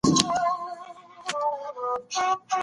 ته ولي ښوونځي ته ځې؟